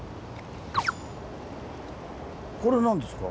これ何ですか？